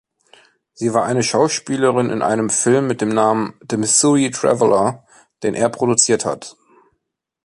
Sie war eine Schauspielerin in einem Film mit dem Namen „The Missouri Traveler“, den er produziert hat.